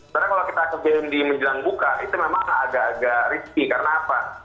karena kalau kita ke band di menjelang buka itu memang agak agak risky karena apa